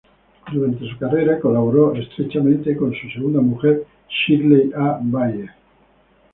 Durante su carrera colaboró estrechamente con su segunda mujer Shirley A. Bayer.